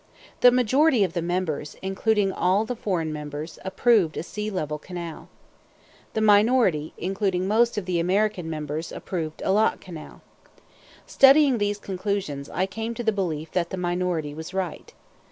The majority of the members, including all the foreign members, approved a sea level canal. The minority, including most of the American members, approved a lock canal. Studying these conclusions, I came to the belief that the minority was right.